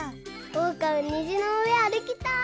おうかもにじのうえあるきたい！